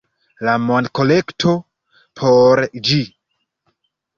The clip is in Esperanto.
... la monkolekto por ĝi